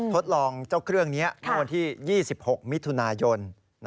ทดลองเจ้าเครื่องนี้เมื่อวันที่๒๖มิถุนายน